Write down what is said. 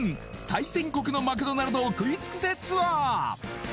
対戦国のマクドナルドを食い尽くせツアー